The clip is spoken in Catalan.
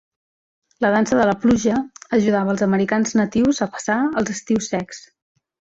La dansa de la pluja ajudava als americans natius a passar els estius secs.